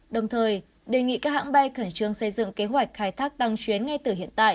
đồng thời đề nghị các hãng bay khẩn trương xây dựng kế hoạch khai thác tăng chuyến ngay từ hiện tại